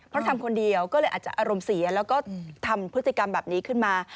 เพราะทำคนเดียวก็เลยอาจจะอารมณ์เสียแล้วก็ทำพฤติกรรมแบบนี้ขึ้นมา